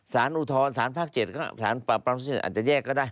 ศาลอุทธรรมศาลภาค๗อาจจะแยกก็ได้